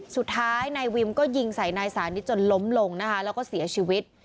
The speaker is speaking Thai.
สุดท้ายนายวิมก็ยิงใส่นายสานิทจนล้มลงนะคะแล้วก็เสียชีวิต